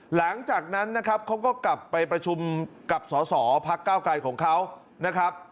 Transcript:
หลังจากนั้นนะครับเขาก็กลับไปประชุมกับสอสอพักเก้าไกลของเขานะครับ